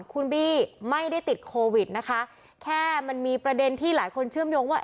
คุณบี้ไม่ได้ติดโควิดนะคะแค่มันมีประเด็นที่หลายคนเชื่อมโยงว่า